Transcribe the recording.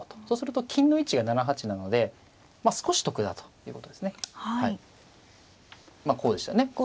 そうすると金の位置が７八なので少し得だということですね。